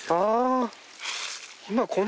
ああ！